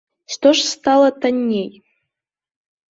Што ж стала танней?